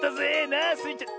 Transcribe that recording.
なあスイちゃん。